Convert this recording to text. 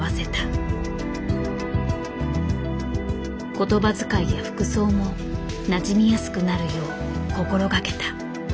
言葉遣いや服装もなじみやすくなるよう心がけた。